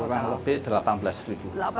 kurang lebih delapan belas ribu